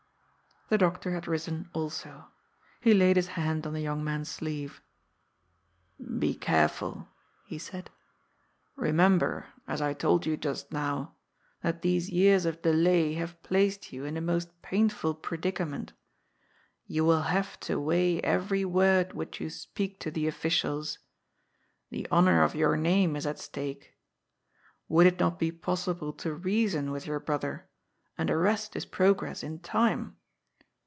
The doctor had risen also. He laid his hand on the young man's sleeve. "Be careful," he said. "Remem ber, as I told you just now, that these years of delay have placed you in a most painful predicament. You will have to weigh every word which you speak to the officials The honour of your name is at stake. Would it not be possible to reason with your brother, and arrest his prog ress in time